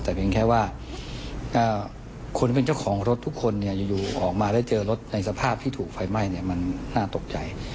แต่เพียงแค่ว่าคนที่เป็นเจ้าของรถทุกคนอยู่ออกมาได้เจอรถในสภาพที่ถูกไฟไหม้มันน่าตกใจ